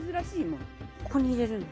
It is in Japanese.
ここに入れるんだ。